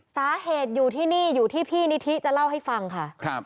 สาเหตุอยู่ที่นี่อยู่ที่พี่นิธิจะเล่าให้ฟังค่ะ